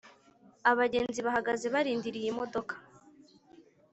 abagenzi bahagaze barindiriye imodoka